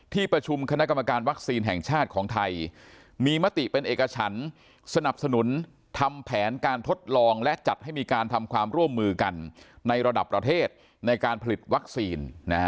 ที่ประชุมคณะกรรมการวัคซีนแห่งชาติของไทยมีมติเป็นเอกฉันสนับสนุนทำแผนการทดลองและจัดให้มีการทำความร่วมมือกันในระดับประเทศในการผลิตวัคซีน